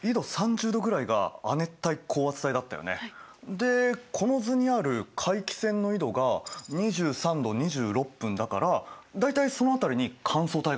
でこの図にある回帰線の緯度が２３度２６分だから大体その辺りに乾燥帯があるってことか。